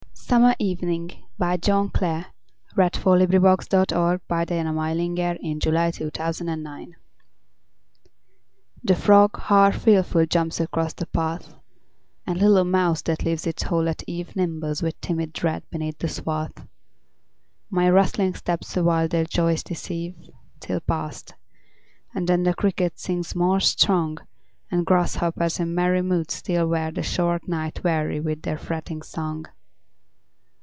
s, The haughty thistle oer all danger towers, In every place the very wasp of flowers. Summer Evening The frog half fearful jumps across the path, And little mouse that leaves its hole at eve Nimbles with timid dread beneath the swath; My rustling steps awhile their joys deceive, Till past, and then the cricket sings more strong, And grasshoppers in merry moods still wear The short night weary with their fretting song.